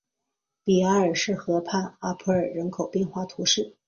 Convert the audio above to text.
比埃什河畔阿普尔人口变化图示